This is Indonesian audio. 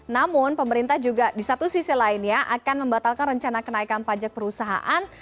namun pemerintah juga di satu sisi lainnya akan membatalkan rencana kenaikan pajak perusahaan